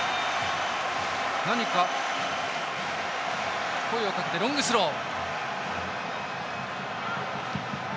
なにか声をかけてロングスロー。